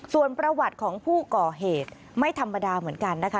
ส่วนประวัติของผู้ก่อเหตุไม่ธรรมดาเหมือนกันนะคะ